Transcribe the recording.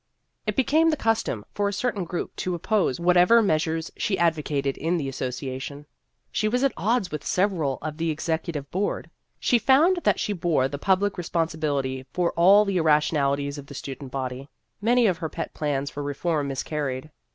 It became the custom for a certain group to oppose whatever meas ures she advocated in the Association. She was at odds with several on the Ex ecutive Board. She found that she bore the public responsibility for all the irra tionalities of the student body. Many of her pet plans for reform miscarried.